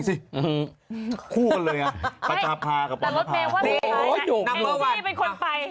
ไม่เป็นห่วงตัวเองส่วนหน่อย